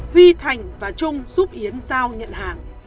huy thành và trung giúp yến giao nhận hàng